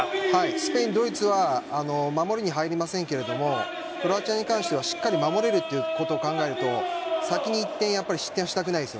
スペイン、ドイツは守りに入りませんがクロアチアに関してはしっかり守れるということを考えると先に１点、失点したくないです。